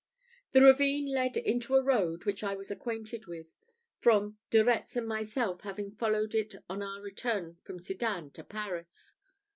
The ravine led into a road which I was acquainted with, from De Retz and myself having followed it on our return from Sedan to Paris.